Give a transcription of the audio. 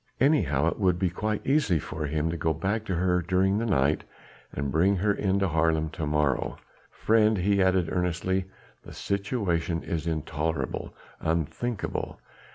Anyhow it would be quite easy for him to go back to her during the night, and bring her into Haarlem to morrow. Friend!" he added earnestly, "the situation is intolerable unthinkable!